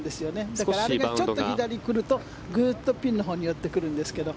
だからあれでちょっと左に来るとグッとピンのほうに寄ってくるんですが。